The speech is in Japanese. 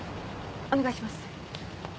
お願いします。